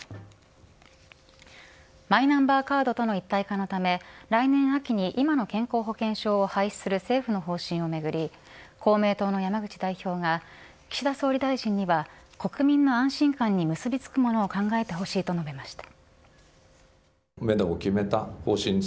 マイナンバーカードとの一体化のため来年秋に今の健康保険証を廃止する政府の方針をめぐり公明党の山口代表が岸田総理大臣には国民の安心感に結びつくものを考えてほしいと述べました。